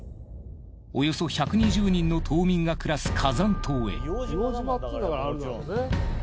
およそ１２０人の島民が暮らす火山島へ。